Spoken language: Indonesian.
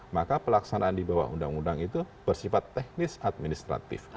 maka pelaksanaan di bawah undang undang itu bersifat teknis administratif